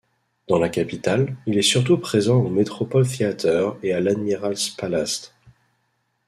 Dans la capitale, il est surtout présent au Metropol-Theater et à l'Admiralspalast.